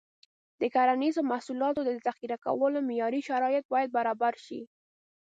د کرنیزو محصولاتو د ذخیره کولو معیاري شرایط باید برابر شي.